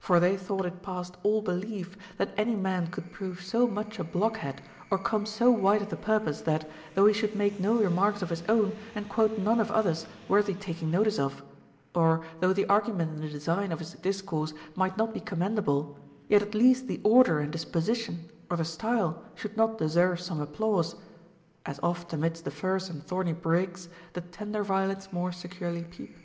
For they thought it passed all belief, that any man could prove so much a blockhead or come so Λvide of the purpose, that, though he should make no remarks of his own and quote none of others worthy taking notice of, or though the argument and design of his discourse might not be commendable, yet at least the order and disposition or the style should not deserve some applause ;— 45 ΰ OF HEAKING. As oft amirlst the furze and thorny brakes The tender violets more securely peep.